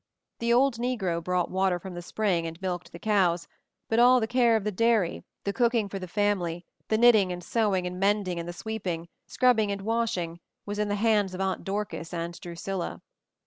The old negro brought water from the spring and milked the cows, but all the care of the dairy, the cooking for the family, the knitting and sewing and mending and the sweeping, scrubbing and washing was in the hands of Aunt Dorcas and Drusilla.